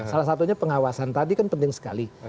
salah satunya pengawasan tadi kan penting sekali